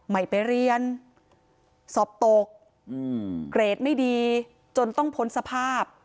ไม่ไปเรียนสอบตกเกรดไม่ดีจนต้องพ้นสภาพ